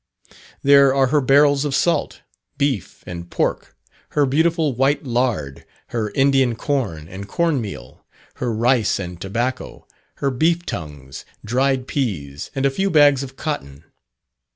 There are her barrels of salt, beef, and pork, her beautiful white lard, her Indian corn and corn meal, her rice and tobacco, her beef tongues, dried peas, and a few bags of cotton.